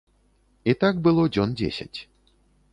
І так было дзён дзесяць.